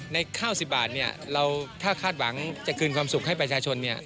ในข้าว๑๐บาทเราถ้าคาดหวังจะคืนความสุขให้ประชาชน